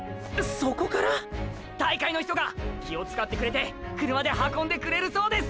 そこから⁉大会の人が気をつかってくれて車で運んでくれるそうです！！